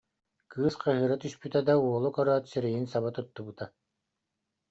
Кыыс хаһыыра түспүтэ да, уолу көрөөт, сирэйин саба туттубута